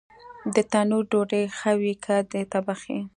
د تنور ډوډۍ ښه وي که د تبخي؟